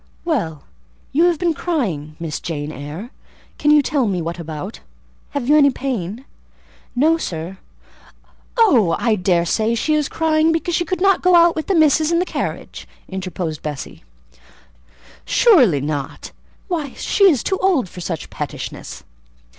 "Well, you have been crying, Miss Jane Eyre; can you tell me what about? Have you any pain?" "No, sir." "Oh! I daresay she is crying because she could not go out with Missis in the carriage," interposed Bessie. "Surely not! why, she is too old for such pettishness."